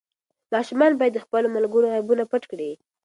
ماشومان باید د خپلو ملګرو عیبونه پټ کړي.